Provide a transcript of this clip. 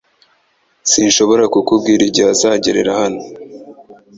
Sinshobora kukubwira igihe azagera hano